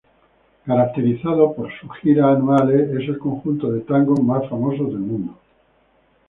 Caracterizado por sus giras anuales, es el conjunto de tango más famoso del mundo.